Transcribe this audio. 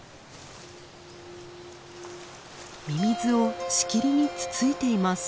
ミミズをしきりにつついています。